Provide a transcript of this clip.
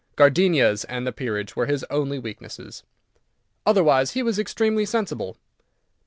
Gardenias and the peerage were his only weaknesses. Otherwise he was extremely sensible.